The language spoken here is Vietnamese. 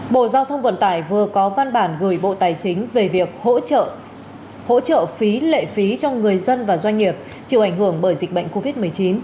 bộ giao thông vận tải vừa có văn bản gửi bộ tài chính về việc hỗ trợ phí lệ phí cho người dân và doanh nghiệp chịu ảnh hưởng bởi dịch bệnh covid một mươi chín